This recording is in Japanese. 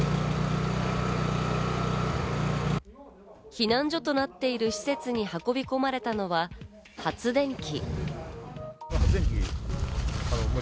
避難所となっている施設に運び込まれたのは発電機。